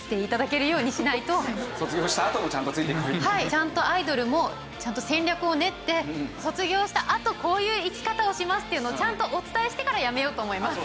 ちゃんとアイドルも戦略を練って卒業したあとこういう生き方をしますというのをちゃんとお伝えしてからやめようと思います。